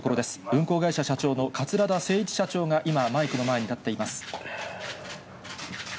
運航会社社長の桂田精一社長が今、マイクの前に立っています。